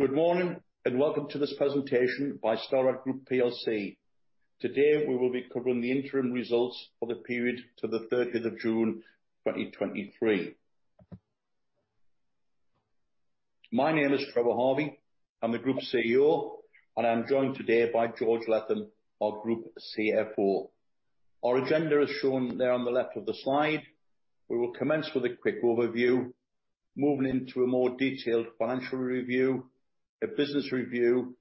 Good morning, welcome to this presentation by Stelrad Group plc. Today, we will be covering the interim results for the period to the 13th of June, 2023. My name is Trevor Harvey. I'm the Group CEO, and I'm joined today by George Letham, our Group CFO. Our agenda is shown there on the left of the slide. We will commence with a quick overview, moving into a more detailed financial review, a business review,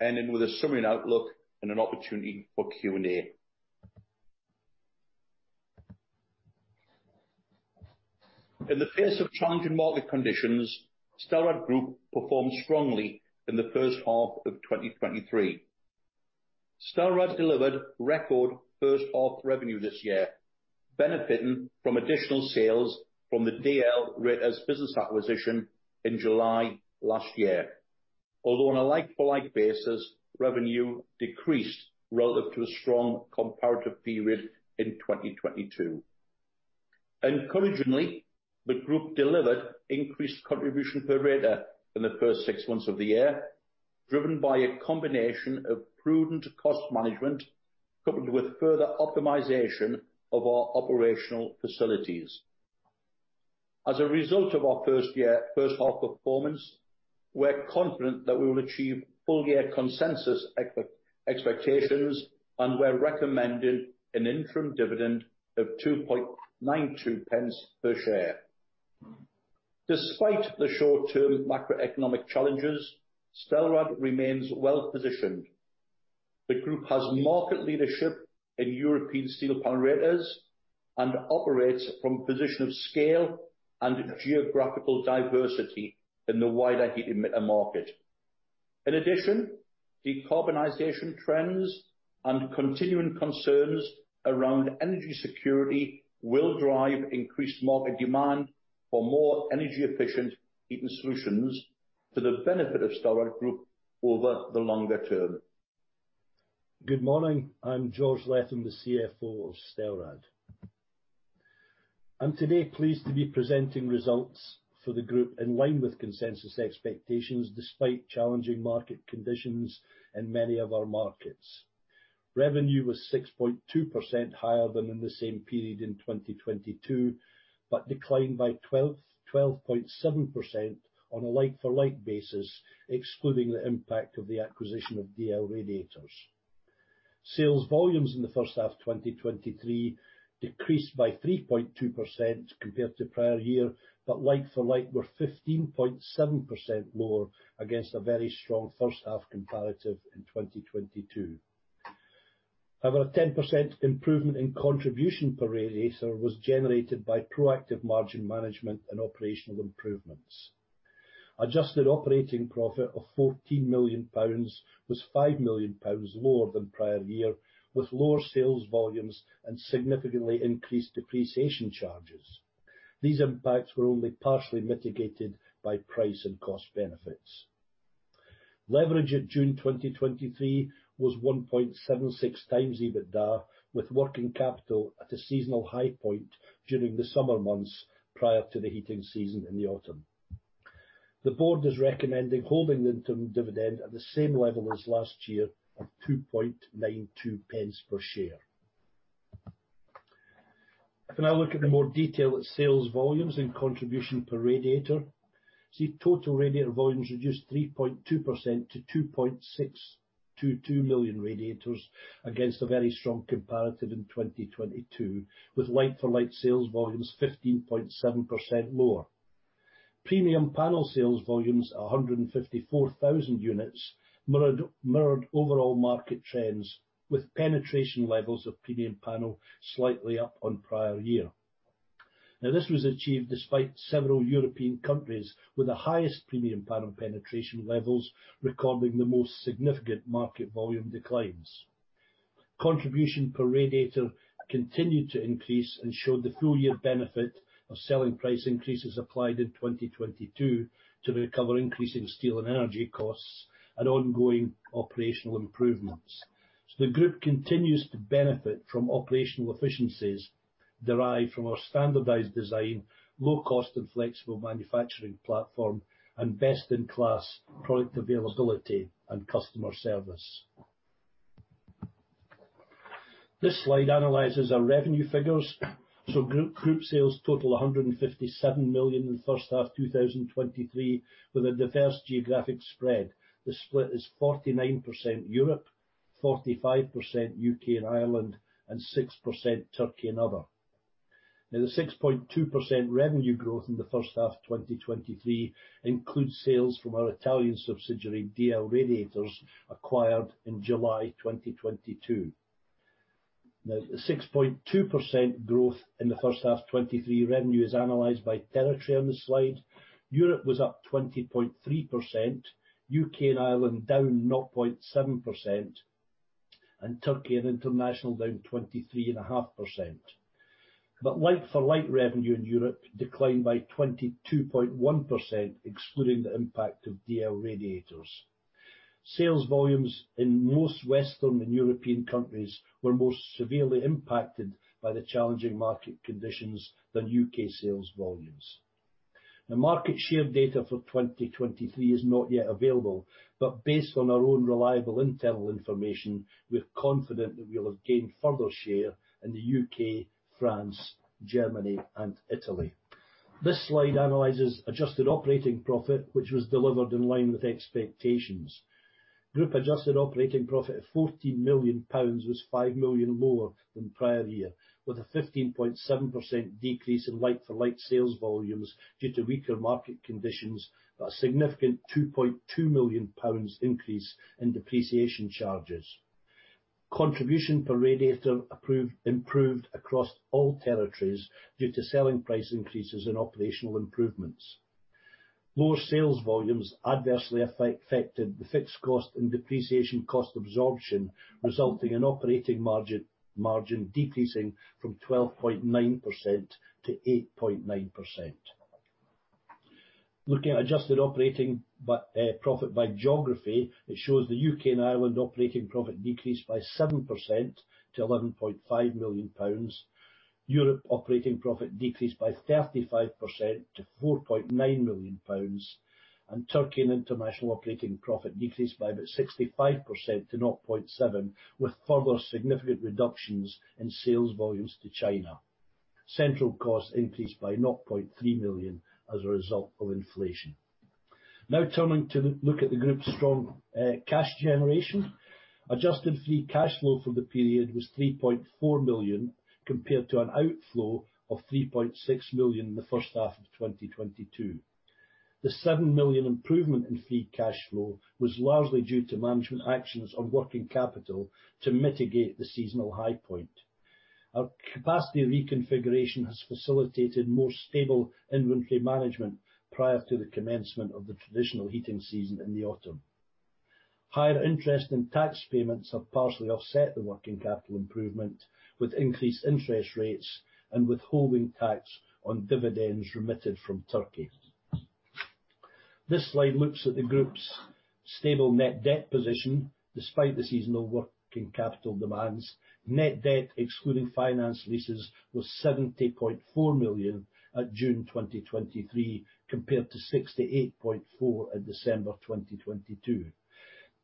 ending with a summary and outlook and an opportunity for Q&A. In the face of challenging market conditions, Stelrad Group performed strongly in the first half of 2023. Stelrad delivered record first half revenue this year, benefiting from additional sales from the DL Radiators business acquisition in July last year. On a like-for-like basis, revenue decreased relative to a strong comparative period in 2022. Encouragingly, the group delivered increased contribution per radiator in the first six months of the year, driven by a combination of prudent cost management, coupled with further optimization of our operational facilities. As a result of our first half performance, we're confident that we will achieve full year consensus expectations, and we're recommending an interim dividend of 2.92 GBP per share. Despite the short-term macroeconomic challenges, Stelrad remains well positioned. The group has market leadership in European steel panel radiators, and operates from a position of scale and geographical diversity in the wider heat emitter market. In addition, decarbonization trends and continuing concerns around energy security will drive increased market demand for more energy efficient heating solutions to the benefit of Stelrad Group over the longer term. Good morning, I'm George Letham, the CFO of Stelrad. I'm today pleased to be presenting results for the group in line with consensus expectations, despite challenging market conditions in many of our markets. Revenue was 6.2% higher than in the same period in 2022, but declined by 12.7% on a like-for-like basis, excluding the impact of the acquisition of DL Radiators. Sales volumes in the first half of 2023 decreased by 3.2% compared to prior year, but like-for-like were 15.7% lower against a very strong first half comparative in 2022. A 10% improvement in contribution per radiator was generated by proactive margin management and operational improvements. Adjusted operating profit of GBP 14 million was GBP 5 million lower than prior year, with lower sales volumes and significantly increased depreciation charges. These impacts were only partially mitigated by price and cost benefits. Leverage at June 2023 was 1.76x EBITDA, with working capital at a seasonal high point during the summer months prior to the heating season in the autumn. The board is recommending holding the interim dividend at the same level as last year of 2.92 pence per share. If we now look at the more detail at sales volumes and contribution per radiator, see total radiator volumes reduced 3.2% to 2.622 million radiators, against a very strong comparative in 2022, with like-for-like sales volumes 15.7% lower. Premium panel sales volumes, 154,000 units, mirrored overall market trends, with penetration levels of Premium panel slightly up on prior year. This was achieved despite several European countries, with the highest premium panel penetration levels recording the most significant market volume declines. Contribution per radiator continued to increase and showed the full year benefit of selling price increases applied in 2022 to recover increasing steel and energy costs and ongoing operational improvements. The group continues to benefit from operational efficiencies derived from our standardized design, low cost and flexible manufacturing platform, and best-in-class product availability and customer service. This slide analyzes our revenue figures, group sales total, 157 million in the first half of 2023, with a diverse geographic spread. The split is 49% Europe, 45% U.K. and Ireland, and 6% Turkey and other. The 6.2% revenue growth in the first half of 2023 includes sales from our Italian subsidiary, DL Radiators, acquired in July 2022. The 6.2% growth in the first half of 2023 revenue is analyzed by territory on this slide. Europe was up 20.3%, U.K. and Ireland down 0.7%, and Turkey and International down 23.5%. Like-for-like revenue in Europe declined by 22.1%, excluding the impact of DL Radiators. Sales volumes in most Western and European countries were more severely impacted by the challenging market conditions than U.K. sales volumes. The market share data for 2023 is not yet available, but based on our own reliable internal information, we're confident that we'll have gained further share in the U.K., France, Germany, and Italy. This slide analyzes adjusted operating profit, which was delivered in line with expectations. Group adjusted operating profit of 14 million pounds was 5 million lower than prior year, with a 15.7% decrease in like-for-like sales volumes due to weaker market conditions, but a significant 2.2 million pounds increase in depreciation charges. Contribution per radiator improved across all territories due to selling price increases and operational improvements. Lower sales volumes adversely affected the fixed cost and depreciation cost absorption, resulting in margin decreasing from 12.9% to 8.9%. Looking at adjusted operating profit by geography, it shows the U.K. and Ireland operating profit decreased by 7% to 11.5 million pounds. Europe operating profit decreased by 35% to 4.9 million pounds, Turkey and international operating profit decreased by about 65% to 0.7 million, with further significant reductions in sales volumes to China. Central costs increased by 0.3 million as a result of inflation. Turning to look at the group's strong cash generation. Adjusted free cash flow for the period was 3.4 million, compared to an outflow of 3.6 million in the first half of 2022. The 7 million improvement in free cash flow was largely due to management actions on working capital to mitigate the seasonal high point. Our capacity reconfiguration has facilitated more stable inventory management prior to the commencement of the traditional heating season in the autumn. Higher interest in tax payments have partially offset the working capital improvement, with increased interest rates and withholding tax on dividends remitted from Turkey. This slide looks at the group's stable net debt position, despite the seasonal working capital demands. Net debt, excluding finance leases, was 70.4 million at June 2023, compared to 68.4 million at December 2022.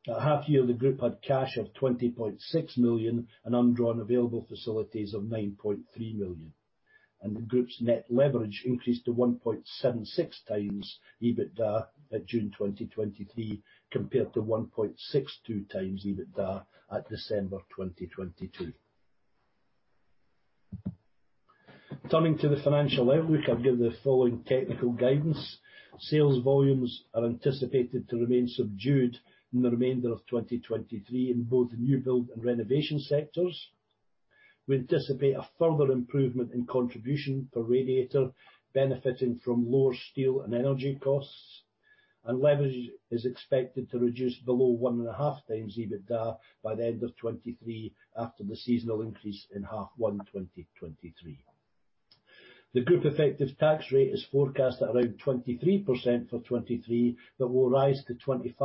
At half year, the group had cash of 20.6 million, and undrawn available facilities of 9.3 million. The group's net leverage increased to 1.76x EBITDA at June 2023, compared to 1.62x EBITDA at December 2022. Turning to the financial outlook, I'll give the following technical guidance. Sales volumes are anticipated to remain subdued in the remainder of 2023 in both the new build and renovation sectors. We anticipate a further improvement in contribution per radiator, benefiting from lower steel and energy costs, and leverage is expected to reduce below 1.5x EBITDA by the end of 2023, after the seasonal increase in H1 2023. The group effective tax rate is forecast at around 23% for 2023, but will rise to 25%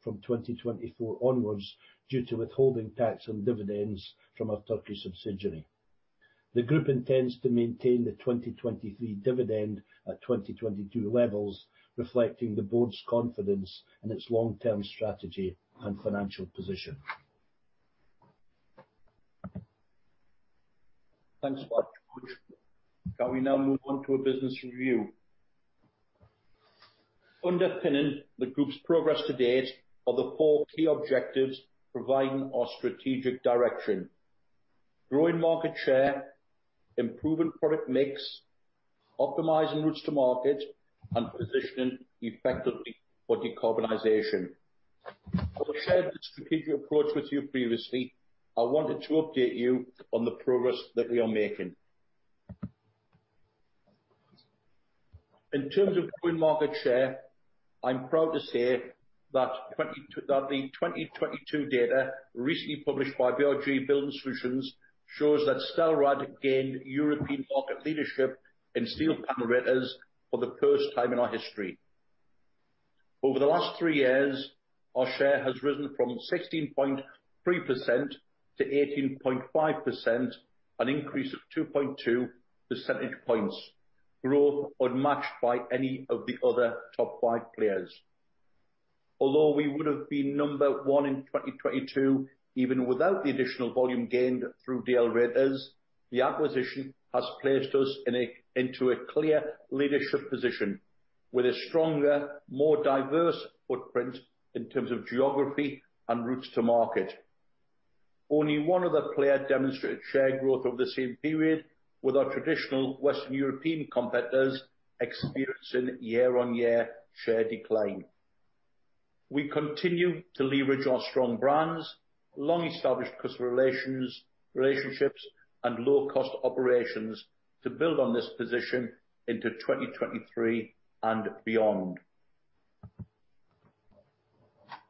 from 2024 onwards, due to withholding tax and dividends from our Turkey subsidiary. The group intends to maintain the 2023 dividend at 2022 levels, reflecting the board's confidence in its long-term strategy and financial position. Thanks very much, George. Can we now move on to a business review? Underpinning the group's progress to date are the four key objectives, providing our strategic direction: growing market share, improving product mix, optimizing routes to market, and positioning effectively for decarbonization. I've shared this strategic approach with you previously. I wanted to update you on the progress that we are making. In terms of growing market share, I'm proud to say that the 2022 data, recently published by BRG Building Solutions, shows that Stelrad gained European market leadership in steel panel radiators for the first time in our history. Over the last 3 years, our share has risen from 16.3% to 18.5%, an increase of 2.2 percentage points, growth unmatched by any of the other top five players. Although we would have been number one in 2022, even without the additional volume gained through DL Radiators, the acquisition has placed us in a, into a clear leadership position with a stronger, more diverse footprint in terms of geography and routes to market. Only one other player demonstrated share growth over the same period, with our traditional Western European competitors experiencing year-on-year share decline. We continue to leverage our strong brands, long-established customer relations, relationships, and low-cost operations to build on this position into 2023 and beyond.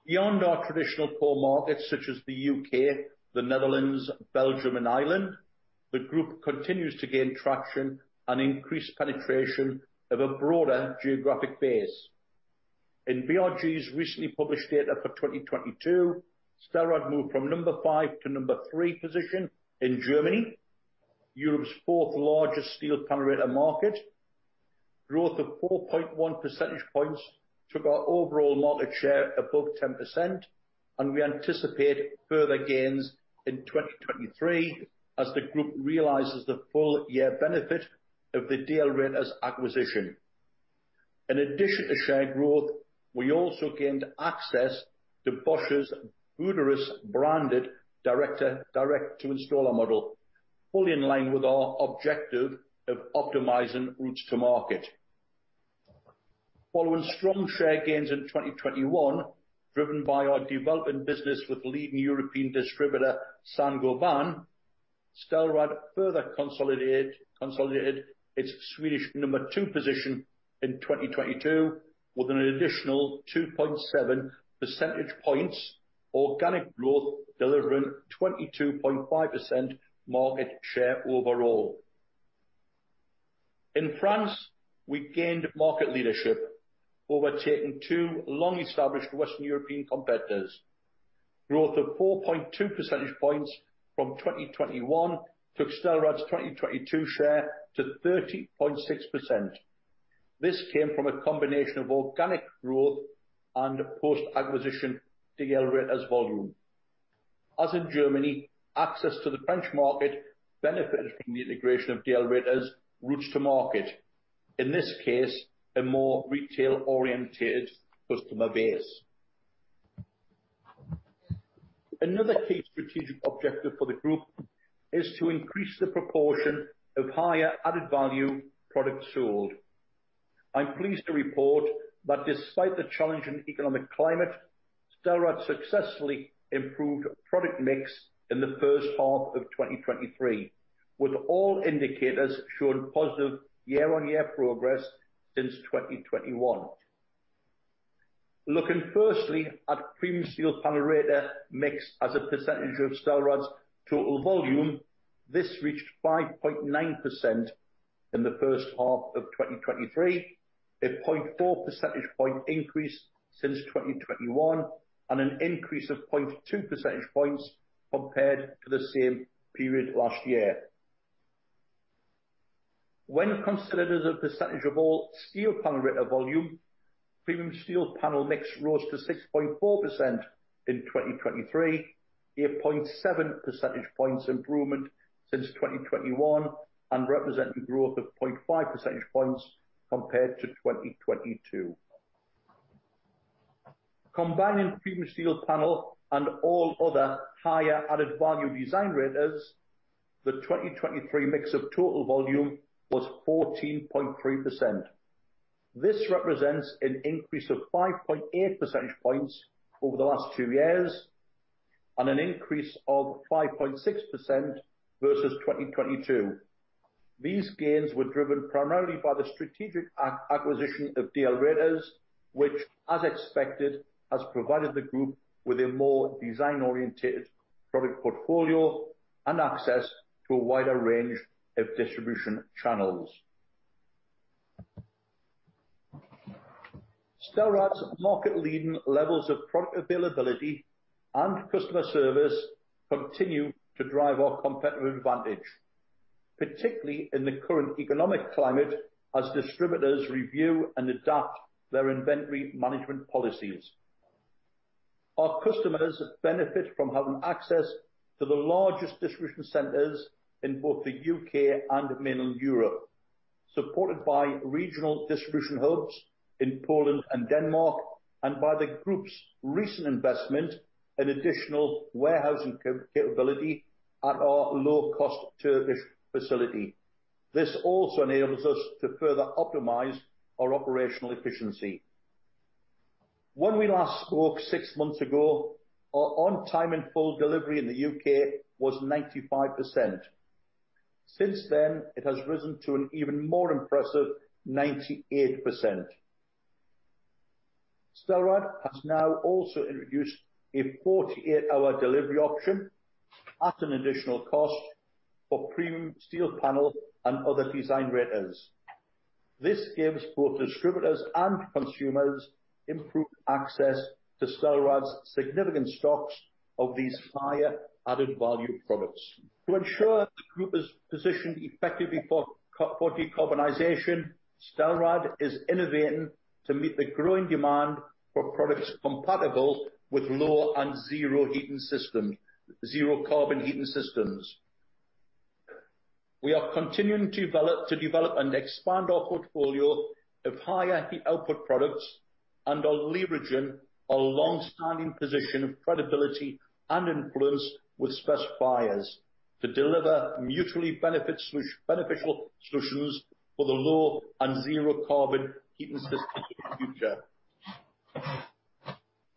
Beyond our traditional core markets, such as the U.K., the Netherlands, Belgium, and Ireland, the group continues to gain traction and increase penetration of a broader geographic base. In BRG's recently published data for 2022, Stelrad moved from number five to number three position in Germany, Europe's 4th largest steel panel radiator market. Growth of 4.1 percentage points took our overall market share above 10%, and we anticipate further gains in 2023 as the group realizes the full year benefit of the DL Radiators acquisition. In addition to share growth, we also gained access to Bosch's Buderus-branded direct-to-installer model, fully in line with our objective of optimizing routes to market. Following strong share gains in 2021, driven by our developing business with leading European distributor, Saint-Gobain, Stelrad further consolidated its Swedish number two position in 2022, with an additional 2.7 percentage points organic growth, delivering 22.5% market share overall. In France, we gained market leadership, overtaking two long-established Western European competitors. Growth of 4.2 percentage points from 2021 took Stelrad's 2022 share to 30.6%. This came from a combination of organic growth and post-acquisition DL Radiators volume. As in Germany, access to the French market benefited from the integration of DL Radiators routes to market, in this case, a more retail-oriented customer base. Another key strategic objective for the group is to increase the proportion of higher added value products sold. I'm pleased to report that despite the challenging economic climate, Stelrad successfully improved product mix in the first half of 2023, with all indicators showing positive year-on-year progress since 2021. Looking firstly at premium steel panel radiator mix as a percentage of Stelrad's total volume, this reached 5.9% in the first half of 2023, a 0.4 percentage point increase since 2021, and an increase of 0.2 percentage points compared to the same period last year. When considered as a percentage of all steel panel radiators volume, premium steel panel radiators mix rose to 6.4% in 2023, a 0.7 percentage points improvement since 2021, and representing growth of 0.5 percentage points compared to 2022. Combining premium steel panel radiators and all other higher added value design radiators, the 2023 mix of total volume was 14.3%. This represents an increase of 5.8 percentage points over the last two years, and an increase of 5.6% versus 2022. These gains were driven primarily by the strategic acquisition of DL Radiators, which, as expected, has provided the group with a more design-orientated product portfolio and access to a wider range of distribution channels. Stelrad's market-leading levels of product availability and customer service continue to drive our competitive advantage, particularly in the current economic climate, as distributors review and adapt their inventory management policies. Our customers benefit from having access to the largest distribution centers in both the U.K. and mainland Europe, supported by regional distribution hubs in Poland and Denmark, and by the group's recent investment in additional warehousing capability at our low-cost Turkish facility. This also enables us to further optimize our operational efficiency. When we last spoke 6 months ago, our on-time and full delivery in the U.K. was 95%. Since then, it has risen to an even more impressive 98%. Stelrad has now also introduced a 48-hour delivery option at an additional cost for premium steel panel and other design radiators. This gives both distributors and consumers improved access to Stelrad's significant stocks of these higher added value products. To ensure the group is positioned effectively for decarbonization, Stelrad is innovating to meet the growing demand for products compatible with low and zero heating systems, zero-carbon heating systems. We are continuing to develop and expand our portfolio of higher heat output products, and are leveraging our long-standing position of credibility and influence with spec buyers to deliver mutually benefits beneficial solutions for the low and zero carbon heating systems of the future.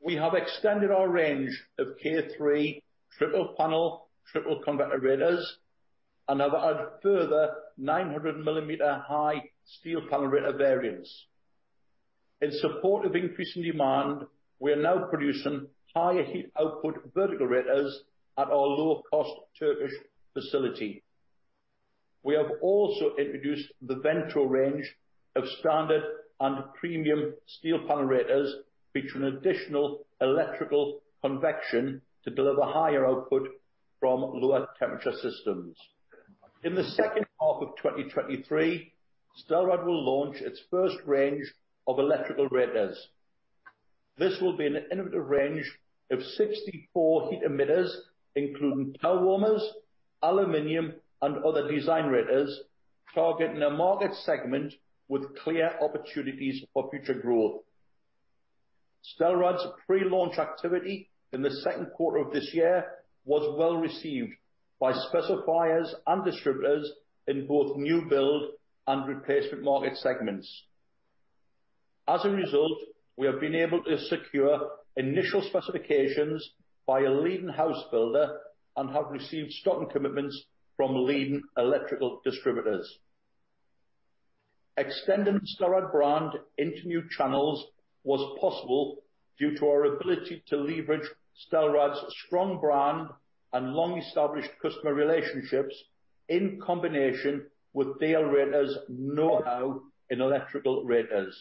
We have extended our range of K3 triple panel, triple convector radiators, and have added further 900 millimeter high steel panel radiator variants. In support of increasing demand, we are now producing higher heat output vertical radiators at our low-cost Turkish facility. We have also introduced the VENTO range of standard and premium steel panel radiators, featuring additional electrical convection to deliver higher output from lower temperature systems. In the second half of 2023, Stelrad will launch its first range of electrical radiators. This will be an innovative range of 64 heat emitters, including towel warmers, aluminum, and other design radiators, targeting a market segment with clear opportunities for future growth. Stelrad's pre-launch activity in the second quarter of this year was well received by specifiers and distributors in both new build and replacement market segments. As a result, we have been able to secure initial specifications by a leading house builder and have received stocking commitments from leading electrical distributors. Extending the Stelrad brand into new channels was possible due to our ability to leverage Stelrad's strong brand and long-established customer relationships, in combination with DL Radiators' know-how in electrical radiators.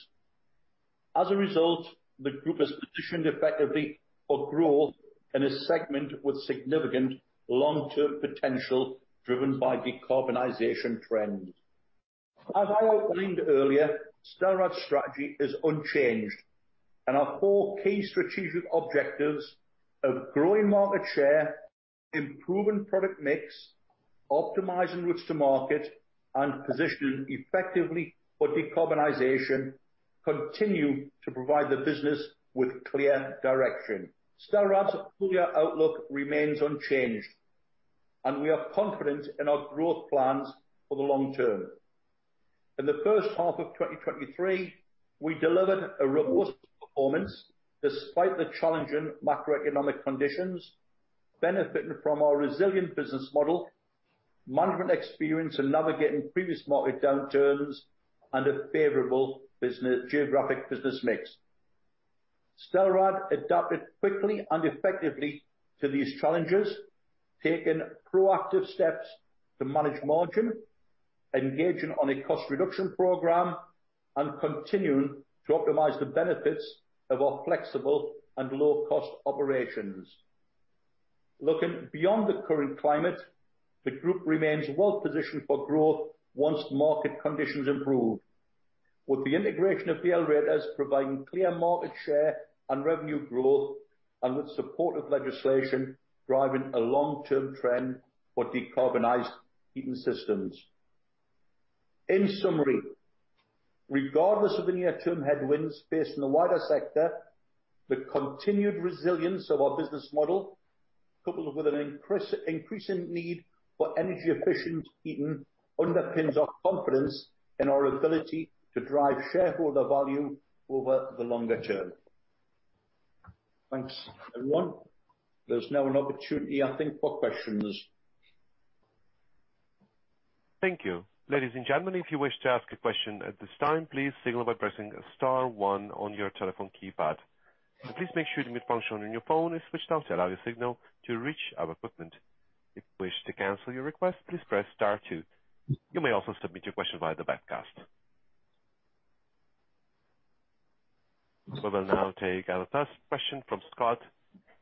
As a result, the group is positioned effectively for growth in a segment with significant long-term potential, driven by decarbonization trends. As I outlined earlier, Stelrad's strategy is unchanged, and our four key strategic objectives of growing market share, improving product mix, optimizing routes to market, and positioning effectively for decarbonization, continue to provide the business with clear direction. Stelrad's full year outlook remains unchanged, and we are confident in our growth plans for the long term. In the first half of 2023, we delivered a robust performance despite the challenging macroeconomic conditions, benefiting from our resilient business model, management experience in navigating previous market downturns, and a favorable geographic business mix. Stelrad adapted quickly and effectively to these challenges, taking proactive steps to manage margin, engaging on a cost reduction program, and continuing to optimize the benefits of our flexible and low-cost operations. Looking beyond the current climate, the group remains well positioned for growth once market conditions improve, with the integration of DL Radiators providing clear market share and revenue growth, and with supportive legislation driving a long-term trend for decarbonized heating systems. In summary, regardless of the near-term headwinds faced in the wider sector, the continued resilience of our business model, coupled with an increasing need for energy-efficient heating, underpins our confidence in our ability to drive shareholder value over the longer term. Thanks, everyone. There's now an opportunity, I think, for questions. Thank you. Ladies and gentlemen, if you wish to ask a question at this time, please signal by pressing star one on your telephone keypad. Please make sure the mute function on your phone is switched off to allow your signal to reach our equipment. If you wish to cancel your request, please press star two. You may also submit your question via the webcast. We will now take our first question from Scott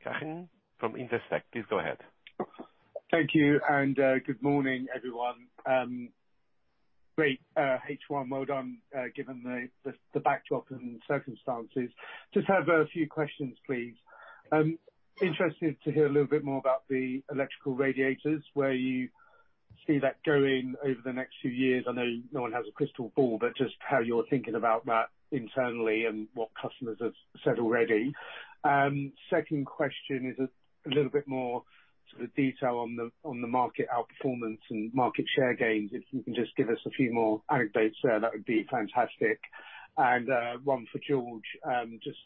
Cahan from Investec. Please go ahead. Thank you. Good morning, everyone. Great H1 mode on given the backdrop and circumstances. Just have a few questions, please. Interested to hear a little bit more about the electrical radiators, where you see that going over the next few years. I know no one has a crystal ball, but just how you're thinking about that internally and what customers have said already. Second question is a little bit more sort of detail on the market outperformance and market share gains. If you can just give us a few more anecdotes there, that would be fantastic. One for George, just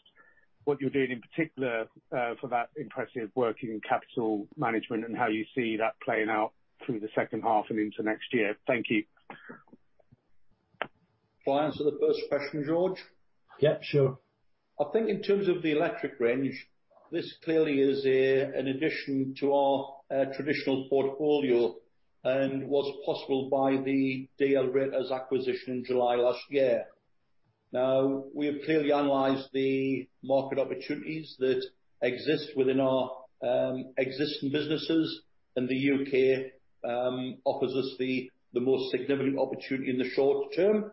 what you're doing in particular for that impressive working capital management, and how you see that playing out through the second half and into next year. Thank you. Shall I answer the first question, George? Yep, sure. I think in terms of the electric range, this clearly is an addition to our traditional portfolio, and was possible by the DL Radiators acquisition in July last year. We have clearly analyzed the market opportunities that exist within our existing businesses, and the U.K. offers us the most significant opportunity in the short term.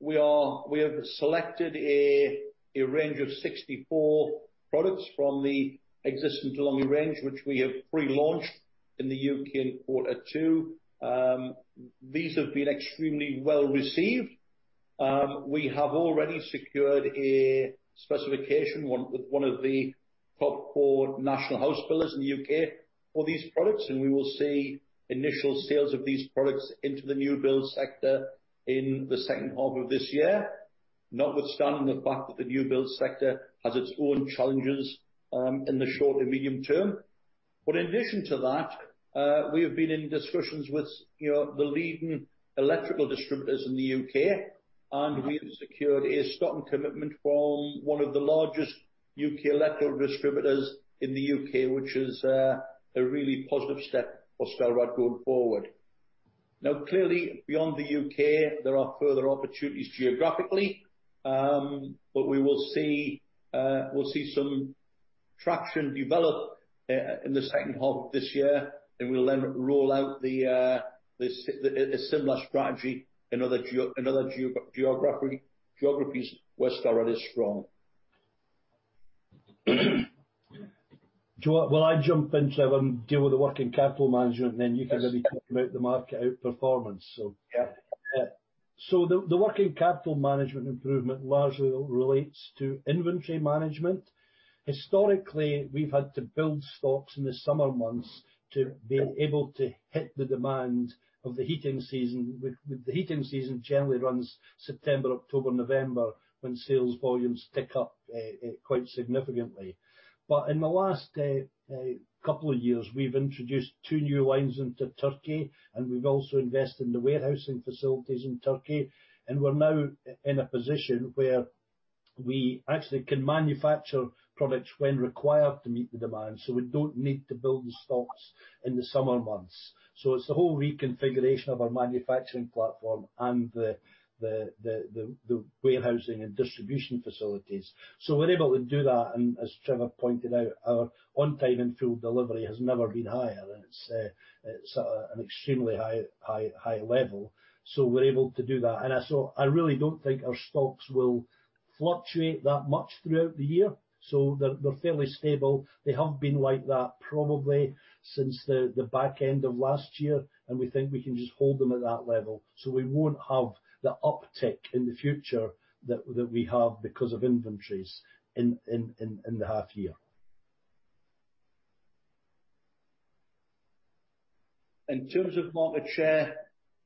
We have selected a range of 64 products from the existing De'Longhi range, which we have pre-launched in the U.K. in quarter two. These have been extremely well received. We have already secured a specification, one, with one of the top four national house builders in the U.K. for these products, and we will see initial sales of these products into the new build sector in the second half of this year, notwithstanding the fact that the new build sector has its own challenges in the short and medium term. In addition to that, we have been in discussions with, you know, the leading electrical distributors in the U.K. We have secured a stock commitment from one of the largest U.K. electrical distributors in the U.K., which is a really positive step for Stelrad going forward. clearly, beyond the U.K., there are further opportunities geographically, but we will see, we'll see some traction develop in the second half of this year, and we'll then roll out the a similar strategy in other geo, in other geo- geography, geographies where Stelrad is strong. Well, I'll jump in, Trevor, and deal with the working capital management, and then you can. Yes talk about the market outperformance, so. Yeah. The, the working capital management improvement largely relates to inventory management. Historically, we've had to build stocks in the summer months to be able to hit the demand of the heating season. With, with the heating season generally runs September, October, November, when sales volumes tick up quite significantly. In the last couple of years, we've introduced two new lines into Turkey, and we've also invested in the warehousing facilities in Turkey. We're now in a position where we actually can manufacture products when required to meet the demand, so we don't need to build the stocks in the summer months. It's a whole reconfiguration of our manufacturing platform and the, the, the, the, the warehousing and distribution facilities. We're able to do that, and as Trevor pointed out, our on-time in-full delivery has never been higher, and it's at an extremely high, high, high level. We're able to do that. I really don't think our stocks will fluctuate that much throughout the year, so they're, they're fairly stable. They have been like that probably since the, the back end of last year, and we think we can just hold them at that level. We won't have the uptick in the future that, that we have, because of inventories in the half year. In terms of market share,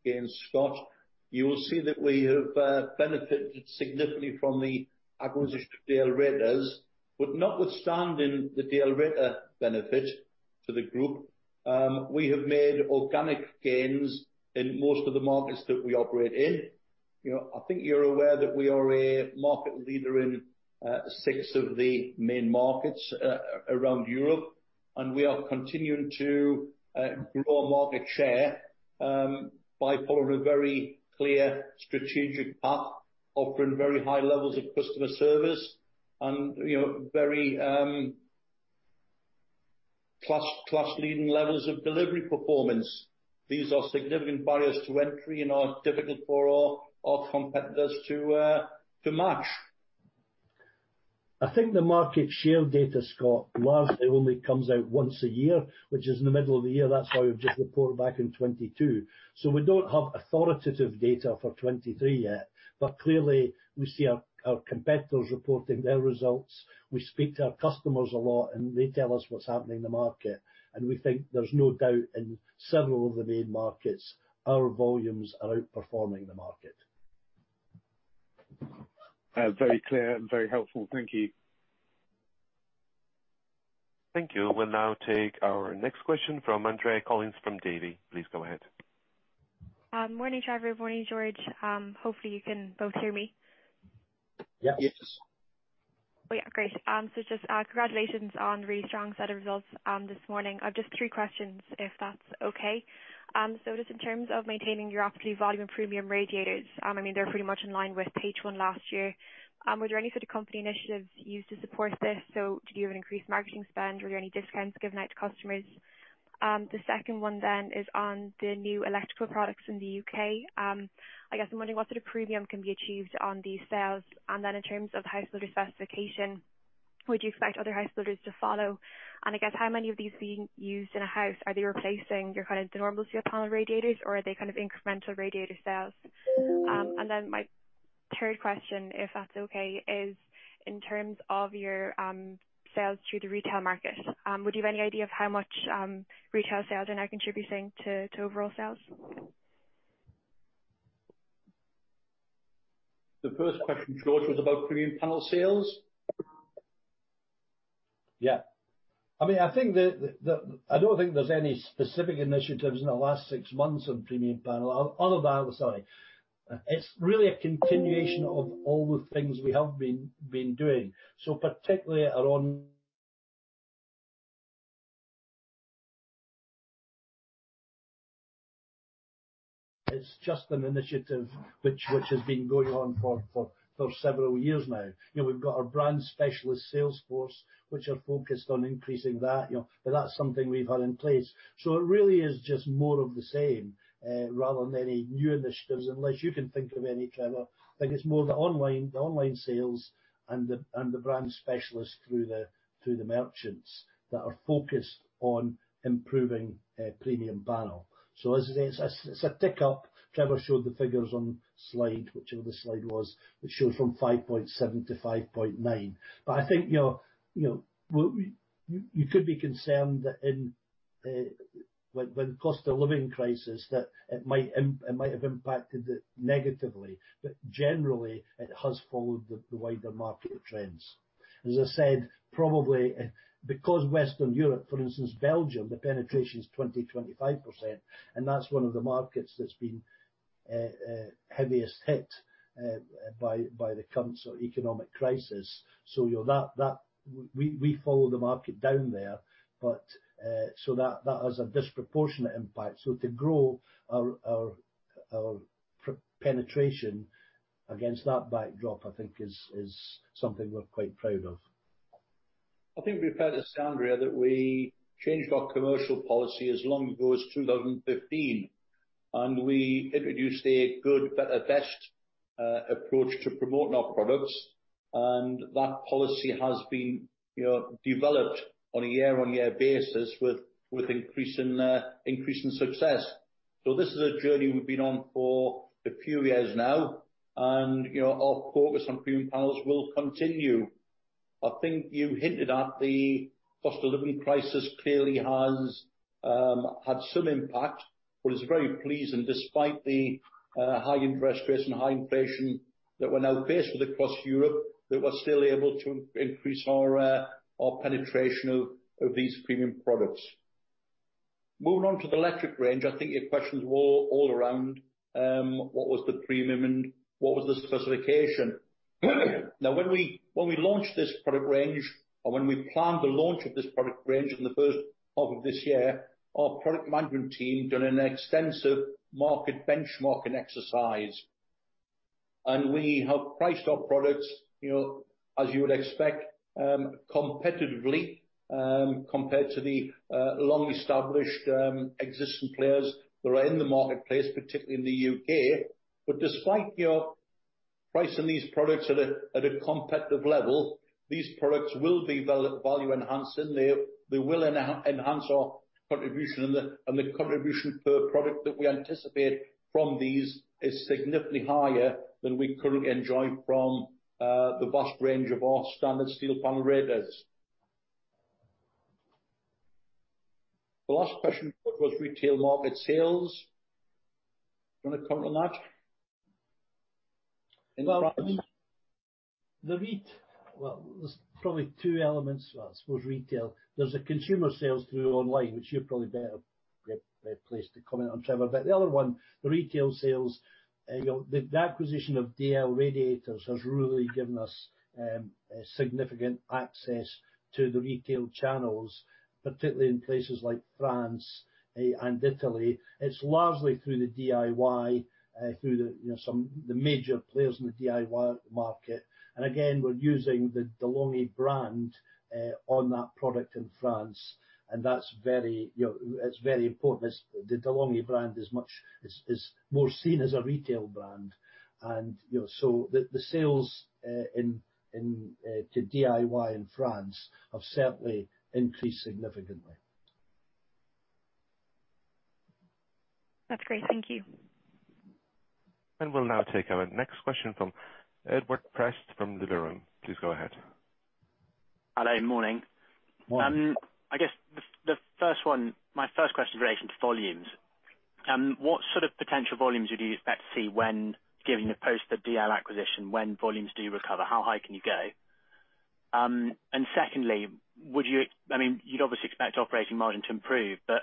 in Scott, you will see that we have benefited significantly from the acquisition of DL Radiators. Notwithstanding the DL Radiators benefit to the group, we have made organic gains in most of the markets that we operate in. You know, I think you're aware that we are a market leader in six of the main markets around Europe, and we are continuing to grow market share by following a very clear strategic path, offering very high levels of customer service and, you know, very class, class-leading levels of delivery performance. These are significant barriers to entry and are difficult for our, our competitors to match. I think the market share data, Scott, largely only comes out once a year, which is in the middle of the year. That's why we've just reported back in 2022. We don't have authoritative data for 2023 yet, but clearly, we see our, our competitors reporting their results. We speak to our customers a lot, and they tell us what's happening in the market, and we think there's no doubt in several of the main markets, our volumes are outperforming the market. Very clear and very helpful. Thank you. Thank you. We'll now take our next question from Andrea Collins, from Davy. Please go ahead. Morning, Trevor, morning, George. Hopefully, you can both hear me. Yeah. Yes. Oh, yeah. Great. Congratulations on a really strong set of results this morning. I've just three questions, if that's okay. Just in terms of maintaining your absolute volume and premium radiators, I mean, they're pretty much in line with page one last year. Were there any sort of company initiatives used to support this? Do you have an increased marketing spend? Were there any discounts given out to customers? The second one is on the new electrical products in the U.K.. I guess I'm wondering what sort of premium can be achieved on these sales, in terms of the housebuilder specification, would you expect other housebuilders to follow? I guess, how many of these are being used in a house? Are they replacing your, kind of, the normal steel panel radiators, or are they kind of incremental radiator sales? Then my third question, if that's okay, is in terms of your, sales through the retail market, would you have any idea of how much, retail sales are now contributing to, to overall sales? The first question, George, was about premium panel sales? Yeah. I mean, I think the. I don't think there's any specific initiatives in the last six months on premium panel, other than, sorry. It's really a continuation of all the things we have been doing. Particularly around. It's just an initiative which has been going on for several years now. You know, we've got our brand specialist sales force, which are focused on increasing that, you know, but that's something we've had in place. It really is just more of the same, rather than any new initiatives, unless you can think of any, Trevor. I think it's more the online sales and the brand specialists through the merchants that are focused on improving premium panel. As I said, it's, it's a tick up. Trevor showed the figures on the slide, whichever the slide was, which shows from 5.7-5.9. I think, you know, you know, well, you, you could be concerned that with the cost of living crisis, that it might have impacted it negatively, but generally, it has followed the wider market trends. As I said, probably, because Western Europe, for instance, Belgium, the penetration is 20%-25%, and that's one of the markets that's been heaviest hit by the current sort of economic crisis. You know, that, that we, we follow the market down there, but so that, that has a disproportionate impact. To grow our, our, our penetration against that backdrop, I think is, is something we're quite proud of. I think we've heard this, Andrea, that we changed our commercial policy as long ago as 2015, and we introduced a good, better, best approach to promoting our products. That policy has been, you know, developed on a year-on-year basis with, with increasing increasing success. This is a journey we've been on for a few years now, and, you know, our focus on premium panels will continue. I think you hinted at the cost of living crisis clearly has had some impact, but it's very pleasing, despite the high interest rates and high inflation that we're now faced with across Europe, that we're still able to increase our penetration of, of these premium products. Moving on to the electric range, I think your questions were all around what was the premium and what was the specification? When we, when we launched this product range, or when we planned the launch of this product range in the first half of this year, our product management team did an extensive market benchmarking exercise. We have priced our products, you know, as you would expect, competitively, compared to the long-established existing players that are in the marketplace, particularly in the U.K.. Despite your pricing these products at a competitive level, these products will be value enhancing. They, they will enhance our contribution, and the, and the contribution per product that we anticipate from these is significantly higher than we currently enjoy from the vast range of our standard steel panel radiators. The last question was retail market sales. Do you wanna comment on that? Well, there's probably two elements, I suppose, retail. There's a consumer sales through online, which you're probably better placed to comment on, Trevor. The other one, the retail sales, you know, the acquisition of DL Radiators has really given us a significant access to the retail channels, particularly in places like France and Italy. It's largely through the DIY, through the, you know, some, the major players in the DIY market. Again, we're using the De'Longhi brand on that product in France, and that's very, you know, it's very important. The De'Longhi brand is much, is, is more seen as a retail brand. You know, so the sales in, in, to DIY in France have certainly increased significantly. That's great. Thank you. We'll now take our next question from Edward Prest from Liberum. Please go ahead. Hello, morning. Morning. I guess the, the first one, my first question is in relation to volumes. What sort of potential volumes would you expect to see when, given the post the DL acquisition, when volumes do recover, how high can you go? Secondly, would you, I mean, you'd obviously expect operating margin to improve, but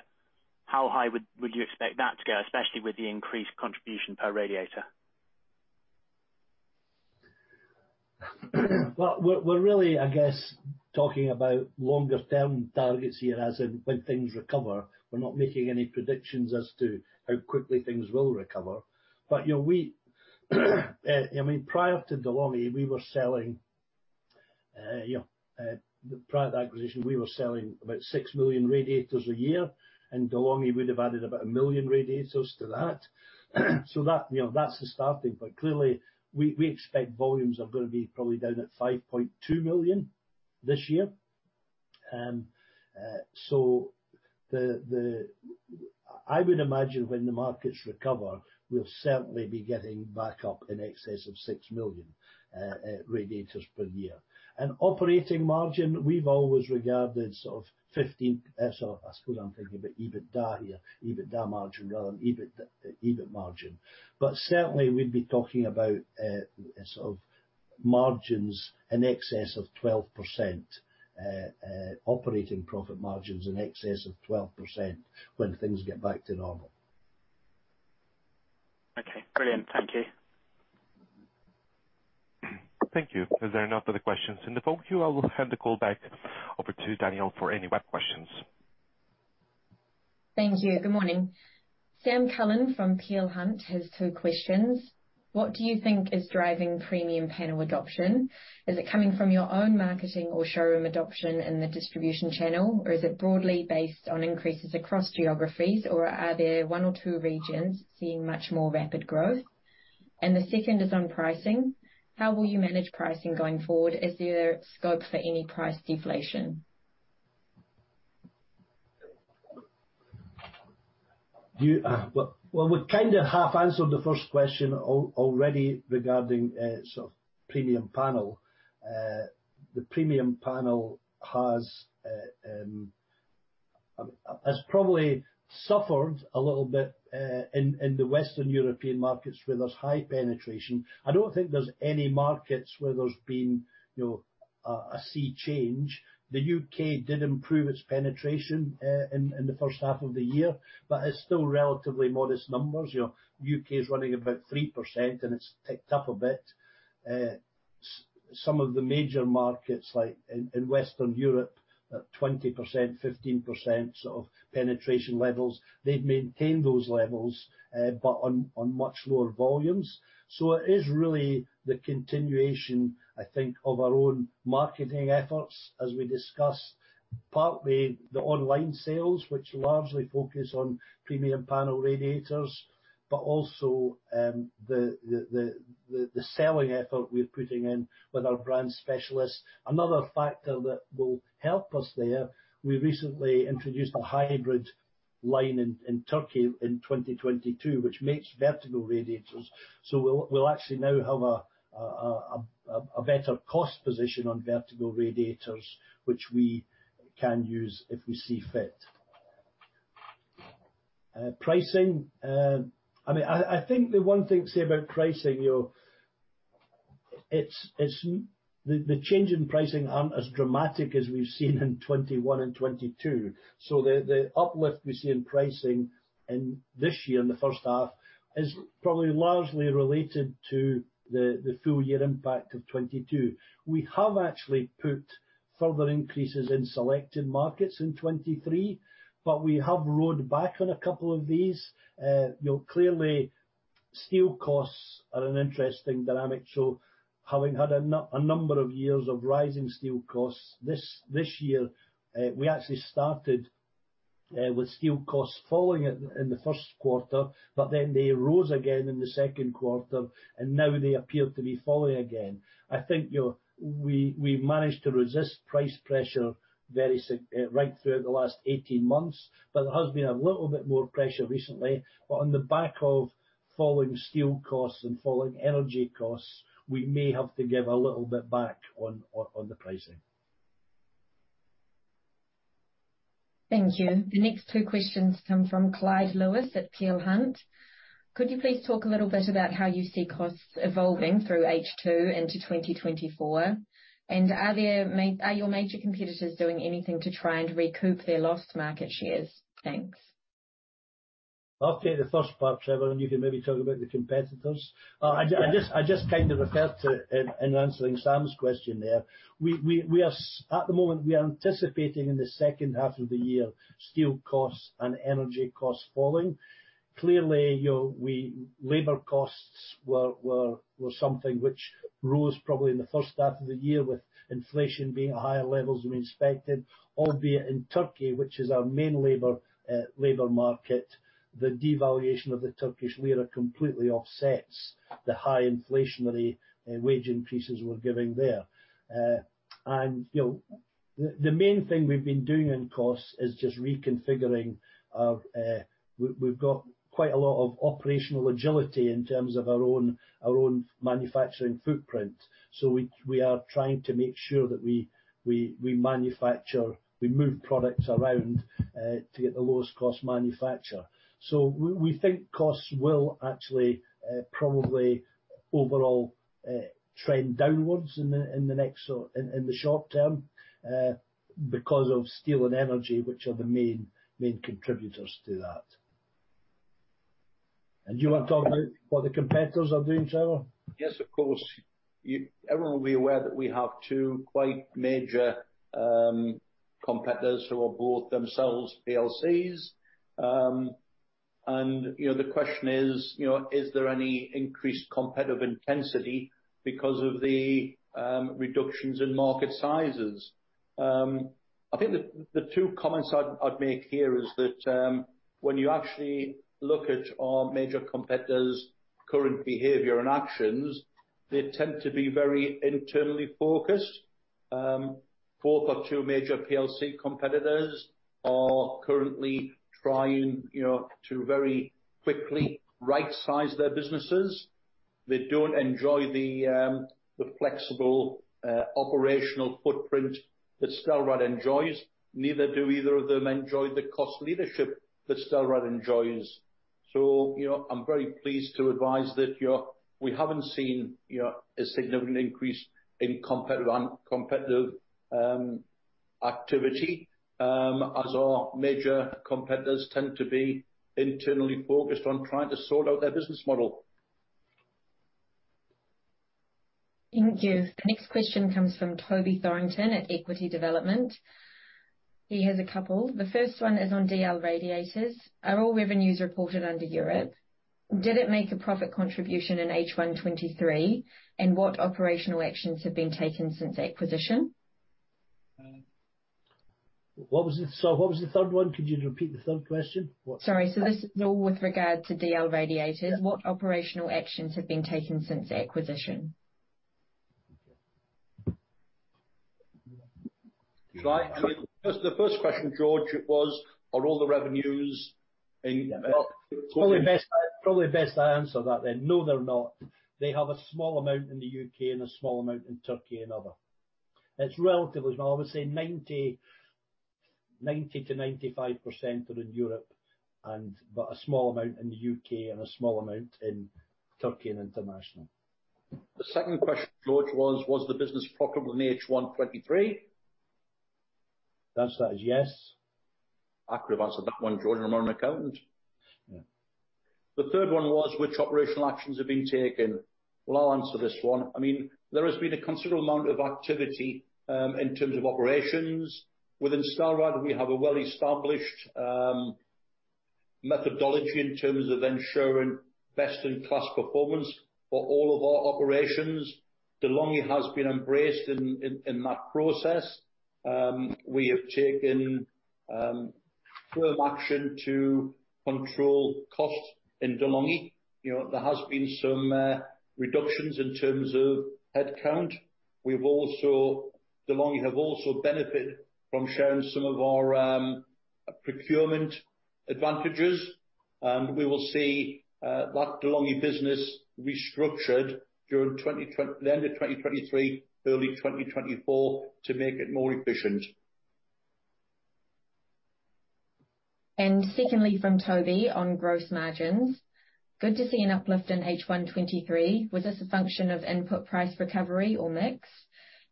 how high would, would you expect that to go, especially with the increased contribution per radiator? Well, we're, we're really, I guess, talking about longer-term targets here, as in when things recover. We're not making any predictions as to how quickly things will recover, but, you know, I mean, prior to De'Longhi, we were selling, you know, prior to the acquisition, we were selling about 6 million radiators a year, and De'Longhi would have added about 1 million radiators to that. So that, you know, that's the starting, but clearly, we, we expect volumes are gonna be probably down at 5.2 million this year. So the, the... I would imagine when the markets recover, we'll certainly be getting back up in excess of 6 million radiators per year. And operating margin, we've always regarded sort of 15%, so I suppose I'm thinking about EBITDA here, EBITDA margin rather than EBIT, EBIT margin. Certainly we'd be talking about, sort of margins in excess of 12%, operating profit margins in excess of 12% when things get back to normal. Okay, brilliant. Thank you. Thank you. Is there any other questions in the phone queue? I will hand the call back over to Danielle for any web questions. Thank you. Good morning. Sam Cullen from Peel Hunt has two questions. What do you think is driving premium panel adoption? Is it coming from your own marketing or showroom adoption in the distribution channel, or is it broadly based on increases across geographies, or are there one or two regions seeing much more rapid growth? The 2nd is on pricing. How will you manage pricing going forward? Is there scope for any price deflation? Do you. Well, we kind of half answered the first question already regarding, sort of premium panel. The premium panel has probably suffered a little bit in the Western European markets where there's high penetration. I don't think there's any markets where there's been, you know, a sea change. The U.K. did improve its penetration in the first half of the year, but it's still relatively modest numbers. You know, U.K. is running about 3%, and it's ticked up a bit. Some of the major markets, like in Western Europe, at 20%, 15% of penetration levels, they've maintained those levels, but on much lower volumes. It is really the continuation, I think, of our own marketing efforts as we discuss, partly the online sales, which largely focus on premium panel radiators, but also the selling effort we're putting in with our brand specialists. Another factor that will help us there, we recently introduced a hybrid line in Turkey in 2022, which makes vertical radiators. We'll actually now have a better cost position on vertical radiators, which we can use if we see fit. Pricing, I mean, I think the one thing to say about pricing, you know, it's the change in pricing aren't as dramatic as we've seen in 21 and 22. The, the uplift we see in pricing in this year, in the first half, is probably largely related to the, the full year impact of 2022. We have actually put further increases in selected markets in 2023, but we have rowed back on a couple of these. You know, clearly, steel costs are an interesting dynamic. Having had a number of years of rising steel costs, this, this year, we actually started with steel costs falling in, in the first quarter, but then they rose again in the second quarter, and now they appear to be falling again. I think, you know, we, we've managed to resist price pressure very right throughout the last 18 months, but there has been a little bit more pressure recently. On the back of falling steel costs and falling energy costs, we may have to give a little bit back on the pricing. Thank you. The next two questions come from Clyde Lewis at Peel Hunt. Could you please talk a little bit about how you see costs evolving through H2 into 2024? Are your major competitors doing anything to try and recoup their lost market shares? Thanks. I'll take the first part, Trevor. You can maybe talk about the competitors. Yeah. I just, I just kind of referred to in, in answering Sam's question there. We, we, we are at the moment, we are anticipating in the second half of the year, steel costs and energy costs falling. Clearly, you know, we, labor costs were, were, were something which rose probably in the first half of the year, with inflation being at higher levels than we expected, albeit in Turkey, which is our main labor, labor market, the devaluation of the Turkish lira completely offsets the high inflationary, wage increases we're giving there. You know, the, the main thing we've been doing on costs is just reconfiguring our. We've got quite a lot of operational agility in terms of our own, our own manufacturing footprint, so we, we are trying to make sure that we, we, we manufacture, we move products around to get the lowest cost manufacture. We, we think costs will actually probably overall trend downwards in the, in the next or in, in the short term because of steel and energy, which are the main, main contributors to that. Do you want to talk about what the competitors are doing, Trevor? Yes, of course. You- everyone will be aware that we have two quite major competitors who are both themselves PLCs. You know, the question is, you know, is there any increased competitive intensity because of the reductions in market sizes? I think the two comments I'd make here is that when you actually look at our major competitors' current behavior and actions, they tend to be very internally focused. Both our two major PLC competitors are currently trying, you know, to very quickly rightsize their businesses. They don't enjoy the flexible operational footprint that Stelrad enjoys. Neither do either of them enjoy the cost leadership that Stelrad enjoys. You know, I'm very pleased to advise that, you know, we haven't seen, you know, a significant increase in competitive, competitive activity, as our major competitors tend to be internally focused on trying to sort out their business model. Thank you. The next question comes from Toby Thorp at Equity Development. He has a couple. The first one is on DL Radiators. Are all revenues reported under Europe? Did it make a profit contribution in H1 2023? What operational actions have been taken since acquisition? What was the... what was the third one? Could you repeat the third question? Sorry, this is all with regard to DL Radiators. Yeah. What operational actions have been taken since the acquisition? Right. The first question, George, it was, are all the revenues? Yeah. Well- It's probably best, probably best I answer that then. No, they're not. They have a small amount in the U.K. and a small amount in Turkey and other. It's relatively small. I would say 90, 90% to 95% are in Europe and, but a small amount in the U.K. and a small amount in Turkey and international. The second question, George, was the business profitable in H1 2023? The answer to that is yes. I could have answered that one, George, I'm not an accountant. Yeah. The third one was: Which operational actions have been taken? Well, I'll answer this one. I mean, there has been a considerable amount of activity in terms of operations. Within Stelrad, we have a well-established methodology in terms of ensuring best-in-class performance for all of our operations. De'Longhi has been embraced in that process. We have taken firm action to control costs in De'Longhi. You know, there has been some reductions in terms of headcount. De'Longhi have also benefited from sharing some of our procurement advantages, and we will see that De'Longhi business restructured during the end of 2023, early 2024, to make it more efficient. Secondly, from Toby on gross margins: Good to see an uplift in H1 2023. Was this a function of input price recovery or mix?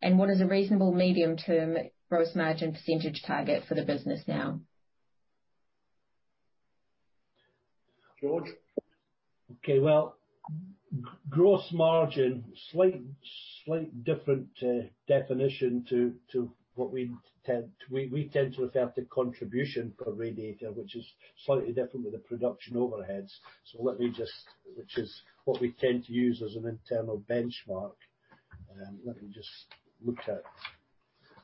What is a reasonable medium-term gross margin percentage target for the business now? George? Okay, well, gross margin, slight, slight different definition to, to what we tend. We, we tend to refer to contribution per radiator, which is slightly different with the production overheads, which is what we tend to use as an internal benchmark. Let me just look at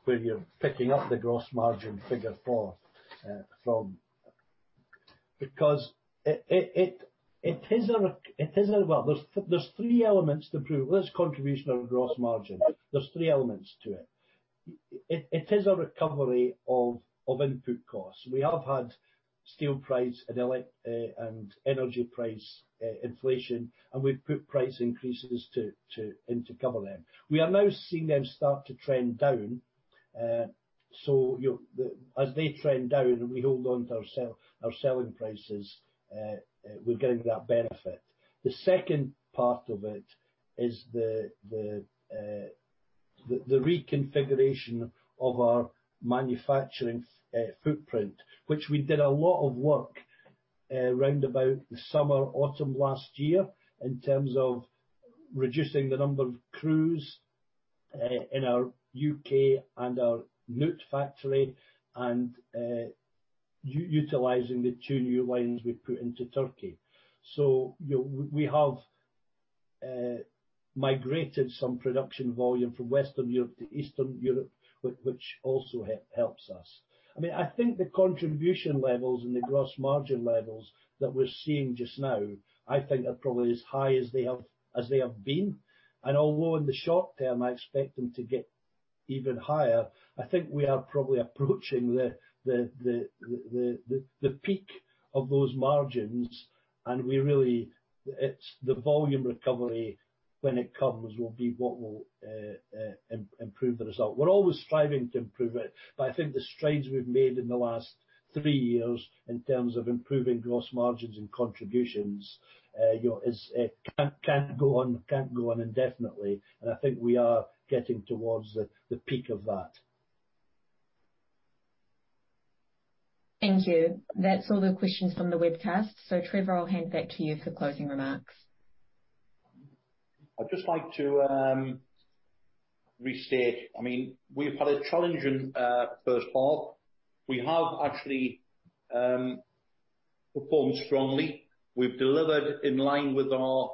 where you're picking up the gross margin figure for from, because it is a. Well, there's, there's three elements. Well, there's contribution of gross margin. There's three elements to it. It, it is a recovery of, of input costs. We have had steel price and energy price inflation, and we've put price increases to cover them. We are now seeing them start to trend down. As they trend down, and we hold on to our sell, our selling prices, we're getting that benefit. The second part of it is the, the, the, the reconfiguration of our manufacturing footprint, which we did a lot of work around about the summer, autumn last year, in terms of reducing the number of crews in our U.K. and our Nuth factory, and utilizing the two new lines we put into Turkey. So, you know, we, we have migrated some production volume from Western Europe to Eastern Europe, which also helps us. I mean, I think the contribution levels and the gross margin levels that we're seeing just now, I think are probably as high as they have, as they have been. Although in the short term, I expect them to get even higher, I think we are probably approaching the peak of those margins, and we really. It's the volume recovery, when it comes, will be what will improve the result. We're always striving to improve it, but I think the strides we've made in the last three years, in terms of improving gross margins and contributions, you know, is, can't go on indefinitely, and I think we are getting towards the peak of that. Thank you. That's all the questions from the webcast. Trevor, I'll hand back to you for closing remarks. I'd just like to restate, I mean, we've had a challenging first half. We have actually performed strongly. We've delivered in line with our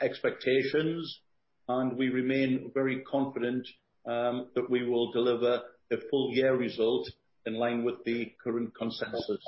expectations, and we remain very confident that we will deliver a full year result in line with the current consensus.